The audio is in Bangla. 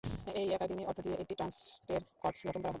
এই একাডেমির অর্থ দিয়ে একটি ট্রাস্টের কর্পস গঠন করা হবে।